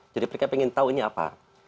jadi mereka ingin tahu ini apa